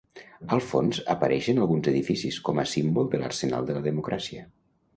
Al fons apareixen alguns edificis, com a símbol de l'arsenal de la democràcia.